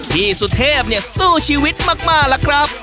พี่สุเทพสู้ชีวิตมากละครับ